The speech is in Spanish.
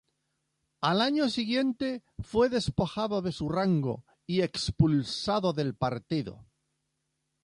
Al año siguiente, fue despojado de su rango y expulsado del partido.